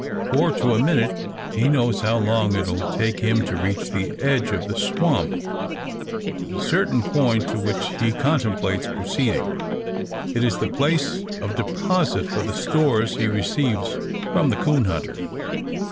For, to a minute he knows how long it will take him to reach the edge of the swamp, at a certain point to which he contemplates proceeding. It is the place of deposit for the stores he receives from the coon hunter.